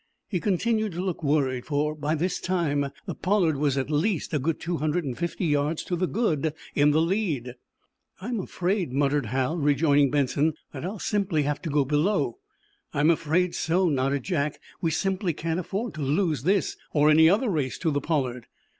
He continued to look worried, for, by this time, the "Pollard" was at least a good two hundred and fifty yards to the good in the lead. "I'm afraid," muttered Hal, rejoining Benson, "that I'll simply have to go below." "I'm afraid so," nodded Jack. "We simply can't afford to lose this or any other race to the 'Pollard.